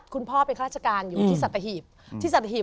คุณพ่อเป็นฆาตราชการอยู่ที่สัตหีพ